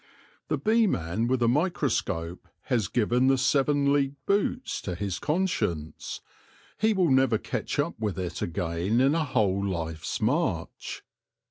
The beeman with a microscope has given the seven leagued boots to his conscience ; he will never catch up with it again in a whole life's march.